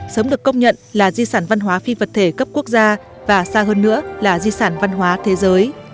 sớm được công nhận là di sản văn hóa phi vật thể cấp quốc gia và xa hơn nữa là di sản văn hóa thế giới